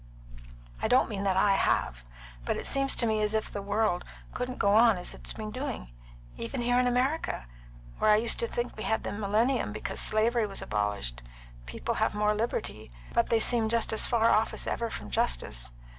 I don't mean that I have. But it seems to me as if the world couldn't go on as it has been doing. Even here in America, where I used to think we had the millennium because slavery was abolished, people have more liberty, but they seem just as far off as ever from justice.